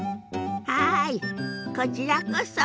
はいこちらこそ。